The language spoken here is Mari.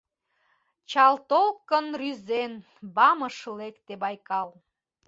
Чал толкын рӱзен, БАМ-ыш лекте Байкал.